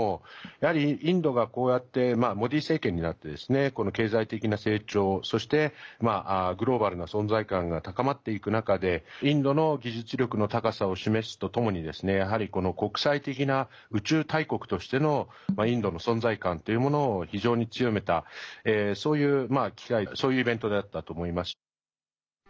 やはりインドがこうやってモディ政権になってこの経済的な成長そしてグローバルな存在感が高まっていく中でインドの技術力の高さを示すとともにやはり、この国際的な宇宙大国としてのインドの存在感っていうものを非常に強めた、そういう機会そういうイベントだったと思います。